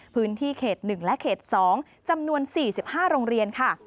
พื้นที่เขต๑และเขต๒จำนวน๔๕โรงเรียนค่ะ